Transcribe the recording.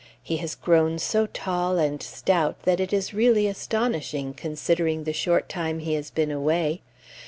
He has grown so tall, and stout, that it is really astonishing, considering the short time he has been away....